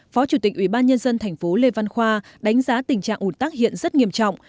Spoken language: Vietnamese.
phó chủ tịch ủy ban nhân dân thành phố lê văn khoa đánh giá tình trạng ủn tắc hiện rất nghiêm trọng